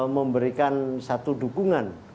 memberikan satu dukungan